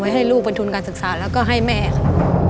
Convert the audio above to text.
ให้ลูกเป็นทุนการศึกษาแล้วก็ให้แม่ค่ะ